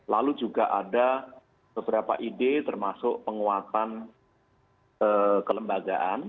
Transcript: lalu juga ada beberapa ide termasuk penguatan kelembagaan